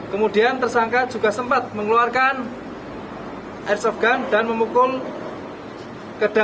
kemudian tersangka juga sempat mengeluarkan airsoft gun dan memukul kedai